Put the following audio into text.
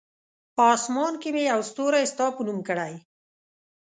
آسمان کې مې یو ستوری ستا په نوم کړی!